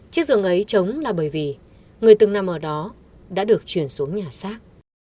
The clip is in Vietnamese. chiếc giường ấy chống là bởi vì người từng nằm ở đó đã được chuyển xuống nhà xác